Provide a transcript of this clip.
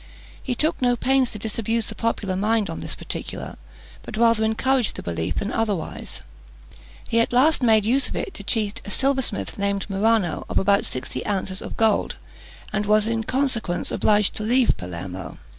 He took no pains to disabuse the popular mind on this particular, but rather encouraged the belief than otherwise. He at last made use of it to cheat a silversmith named Marano, of about sixty ounces of gold, and was in consequence obliged to leave Palermo.